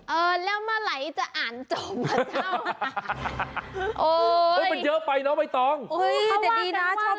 เออแล้วเมื่อไรจะอ่านจบเหรอเจ้า